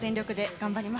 頑張ります。